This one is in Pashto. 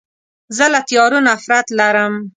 زه له تیارو نفرت لرم.